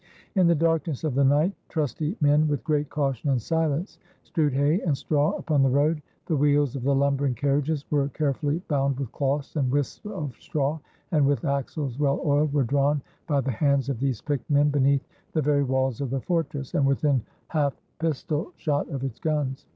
In the darkness of the night, trusty men, with great caution and silence, strewed hay and straw upon the road. The wheels of the lumbering carriages were care fully bound with cloths and wisps of straw, and, with axles well oiled, were drawn by the hands of these picked men beneath the very walls of the fortress, and within half pistol shot of its guns.